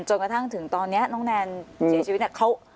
จนกระทั่งถึงตอนนี้น้องแนนเสียชีวิตเนี่ย